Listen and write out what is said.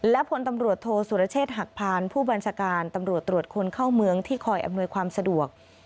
และพลตำรวจโทษสุรเชษฐ์หักพานผู้บัญชาการตำรวจตรวจคนเข้าเมืองที่คอยอำนวยความสะดวก